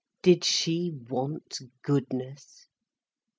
Did she want "goodness"?